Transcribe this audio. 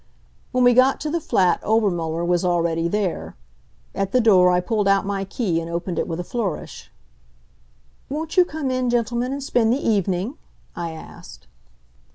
When we got to the flat Obermuller was already there. At the door I pulled out my key and opened it with a flourish. "Won't you come in, gentlemen, and spend the evening?" I asked.